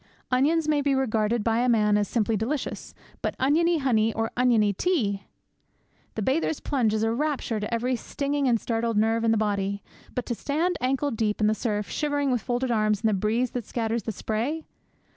Onions may be regarded by a man as simply delicious, but oniony honey or oniony tea! The bather's plunge is a rapture to every stinging and startled nerve in his body, but to stand ankle deep in the surf, shivering with folded arms in the breeze that scatters the spray!